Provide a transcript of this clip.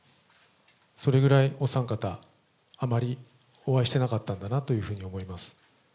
それぐらいお三方、あまりお会いしてなかったんだなというふうに思います。